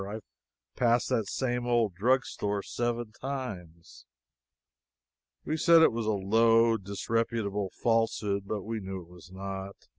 I've passed this same old drugstore seven times." We said it was a low, disreputable falsehood (but we knew it was not).